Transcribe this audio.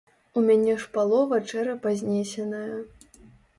У мяне ж палова чэрапа знесеная.